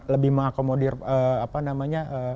lebih mengakomodir apa namanya